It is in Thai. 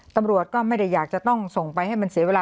ตำรวจก็ไม่ได้อยากจะต้องส่งไปให้มันเสียเวลา